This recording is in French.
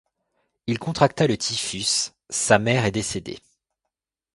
Il contracta le typhus, sa mère est décédée.